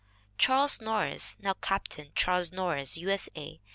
Charles Norris, now Capt. Charles Norris, U. S. A.